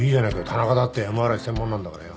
田中だってＭＲＩ専門なんだからよ。